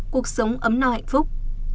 cuộc sống ấm no hạnh phúc